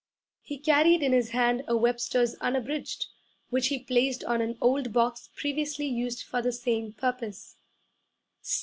He carried in his hand a Webster's Unabridged, which he placed on an old box previously used for the same purpose.